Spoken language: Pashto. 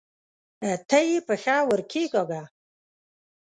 ته یې پښه ورکښېکاږه!